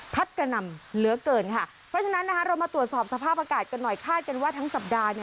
เพราะฉะนั้นเรามาตรวจสอบสภาพอากาศกันหน่อยคาดกันว่าทั้งสัปดาห์